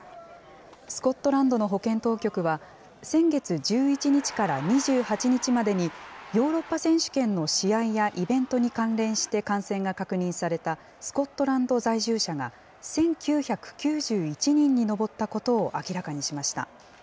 スコットランドの保健当局は、先月１１日から２８日までに、ヨーロッパ選手権の試合やイベントに関連して感染が確認されたスコットランド在住者が１９９１人に上ったことを明らかにしました。